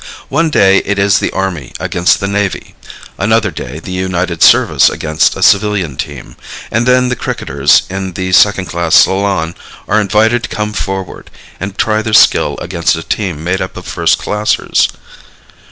One day it is the army against the navy; another day the united service against a civilian team, and then the cricketers in the second class salon are invited to come forward and try their skill against a team made up of first classers.